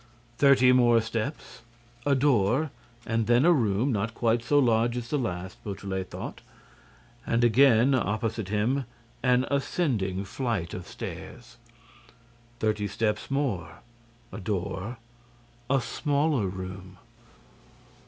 Thirty more steps. A door and then a room, not quite so large as the last, Beautrelet thought. And again, opposite him, an ascending flight of stairs. Thirty steps more. A door. A smaller room.